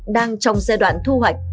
đang trong giai đoạn thu hoạch